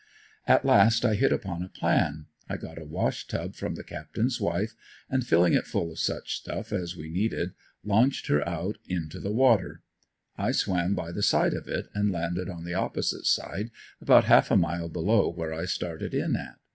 At last I hit upon a plan: I got a wash tub from the captain's wife and filling it full of such stuff as we needed, launched her out into the water; I swam by the side of it and landed on the opposite side about half a mile below where I started in at.